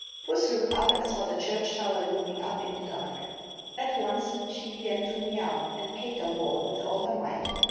Puss looked up and saw the church tower looming up in the dark. At once she began to meouw and caterwaul with all her might.